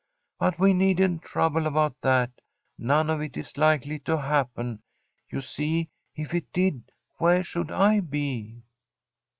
But we needn't trouble about that; none of it is likely to happen. You see, if it did, where should I be?'